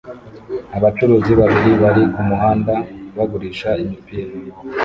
Abacuruzi babiri bari kumuhanda bagurisha imipira